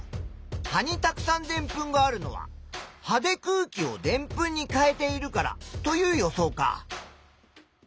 葉にたくさんでんぷんがあるのは葉で空気をでんぷんに変えているからという予想か。